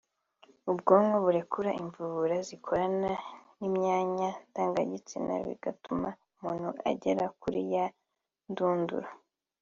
ubwonko burekura imvubura zikorana n’imyanya ndangagitsina bigatuma umuntu agera kuri ya ndunduro